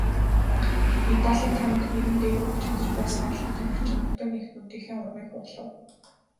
Медалийн таамагт нэр нь дээгүүр бичигдэж байсан олон тамирчин нутаг нэгтнүүдийнхээ урмыг хугалав.